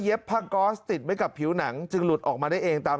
ผ้าก๊อสติดไว้กับผิวหนังจึงหลุดออกมาได้เองตาม